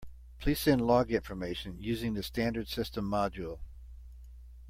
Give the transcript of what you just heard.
Please send log information using the standard system module.